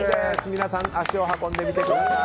皆さん、足を運んでみてください。